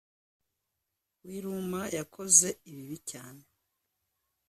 w i ruma yakoze ibibi cyane